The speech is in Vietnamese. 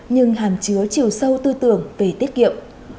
nhưng hàm chứa chiều sâu tư tưởng về tiết kiệm